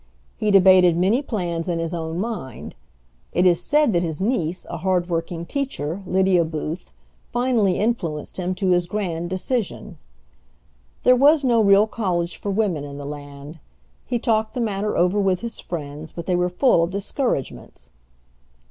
He debated many plans in his own mind. It is said that his niece, a hard working teacher, Lydia Booth, finally influenced him to his grand decision. There was no real college for women in the land. He talked the matter over with his friends, but they were full of discouragements.